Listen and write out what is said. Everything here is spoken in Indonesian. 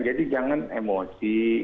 jadi jangan emosi